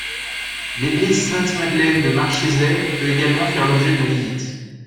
L'église Sainte-Madeleine de Marchezais peut également faire l'objet de visites.